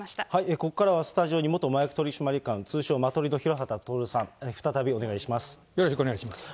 ここからはスタジオに、元麻薬取締官、通称、マトリの廣畑徹さん、再びお願いします。